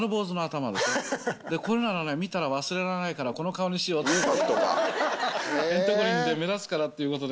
見たら忘れられないからこの顔にしよう！っていう。